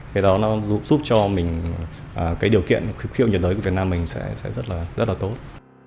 cái đó nó giúp cho mình cái điều kiện khí hậu nhiệt đới của việt nam mình sẽ rất là tốt